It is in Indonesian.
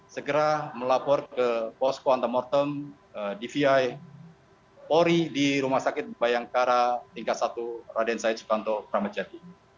segera melapor ke pos kuantum mortem dvi pori di rumah sakit bayangkara tingkat satu raden said sukanto pramacati